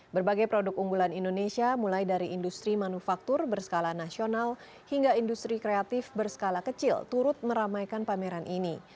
berbagai produk unggulan indonesia mulai dari industri manufaktur berskala nasional hingga industri kreatif berskala kecil turut meramaikan pameran ini